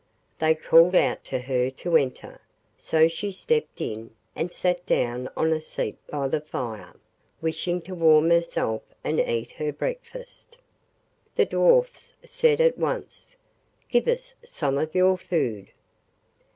They called out to her to enter, so she stepped in and sat down on a seat by the fire, wishing to warm herself and eat her breakfast. The Dwarfs said at once: 'Give us some of your food!